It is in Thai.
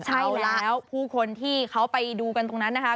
ใช่แล้วผู้คนที่เขาไปดูกันตรงนั้นนะคะ